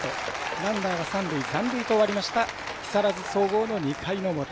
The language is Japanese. ランナーは三塁残塁と終わりました木更津総合の２回の表。